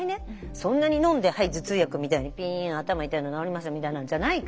そんなにのんではい頭痛薬みたいにピーン頭痛いの治りました！みたいなんじゃないから。